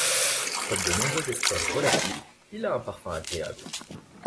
Comme de nombreux esters volatils, il a un parfum agréable.